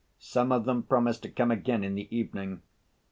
Some of them promised to come again in the evening.